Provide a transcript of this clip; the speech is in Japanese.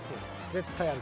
絶対ある。